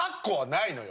ないのよ。